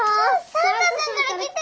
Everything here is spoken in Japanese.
サンタさんから来てた！